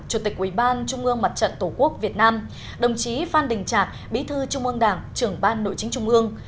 chủ tịch ủy ban trung ương mặt trận tổ quốc việt nam đồng chí phan đình trạc bí thư trung ương đảng trưởng ban nội chính trung ương